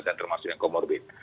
dan termasuk yang komorbit